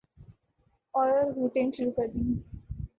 اورہوٹنگ شروع کردیں۔